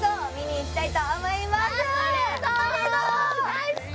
大好き！